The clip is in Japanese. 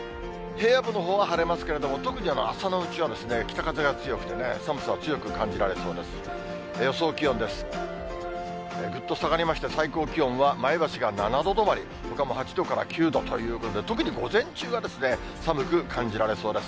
平野部のほうは晴れますけれども、特に朝のうちは、北風が強くてね、寒さは強く感じられそうです。